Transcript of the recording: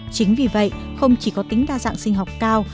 chính vì vậy không chỉ có tính đa dạng sinh học cao